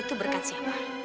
itu berkat siapa